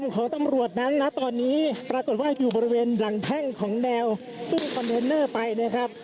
ของตำรวจนั้นนะตอนนี้ปรากฏว่าอยู่บริเวณหลังแท่งของแนวตู้คอนเทนเนอร์ไปนะครับ